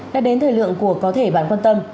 đã đến thời lượng của có thể bạn quan tâm